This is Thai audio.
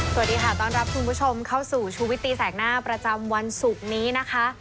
สวัสดีค่ะต้อนรับคุณผู้ชมเข้าสู่ชูวิตตีแสกหน้าประจำวันศุกร์นี้นะคะ